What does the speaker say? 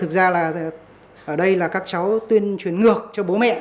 thực ra là ở đây là các cháu tuyên truyền ngược cho bố mẹ